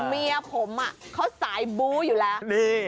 เมียผมเขาสายบู้อยู่แล้ว